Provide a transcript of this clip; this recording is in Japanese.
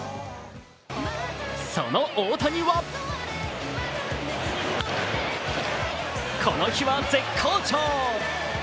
その大谷はこの日は絶好調。